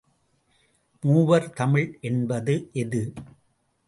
மூவர் தமிழ் என்பது எது?